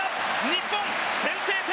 日本、先制点。